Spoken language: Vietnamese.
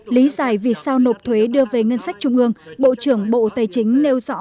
lý giải vì sao nộp thuế đưa về ngân sách trung ương bộ trưởng bộ tài chính nêu rõ